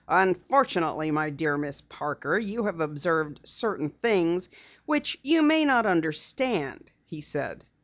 "Unfortunately, my dear Miss Parker, you have observed certain things which you may not understand," he said.